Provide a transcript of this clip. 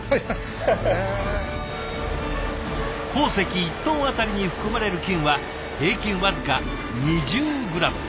鉱石１トンあたりに含まれる金は平均僅か２０グラム。